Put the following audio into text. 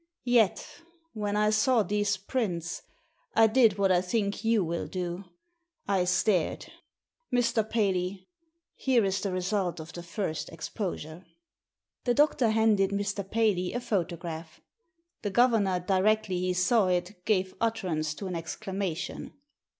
Yet, when I saw these prints, I did what I think you will do — I stared. Mr. Paley, here is the result of the first exposure." The doctor handed Mr. Paley a photograph. The governor directly he saw it gave utterance to an exclamation.